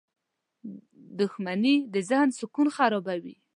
• دښمني د ذهن سکون خرابوي.